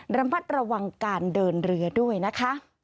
ระมัดระวังการเดินเรือด้วยนะคะ